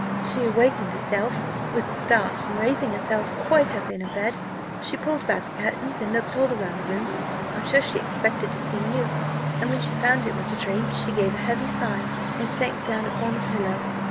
She awakened herself with the start; and raising herself quite up in her bed, she pulled back the curtains, and looked all round the room. I'm sure she expected to see you; and when she found it was a dream, she gave a heavy sigh, and sank down upon her pillow.